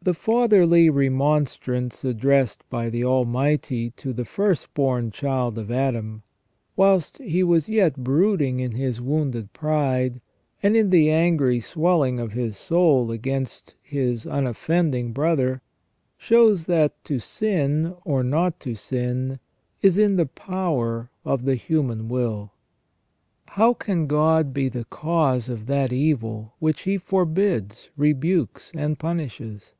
THE fatherly remonstrance addressed by the Almighty to the firstborn child of Adam, whilst he was yet brooding in his wounded pride, and in the angry swelling of his soul against his unoffending brother, shows that to sin or not to sin is in the power of the human will. How can God be the cause of that evil which He forbids, rebukes, and punishes